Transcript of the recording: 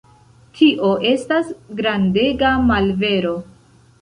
Tio estas grandega malvero.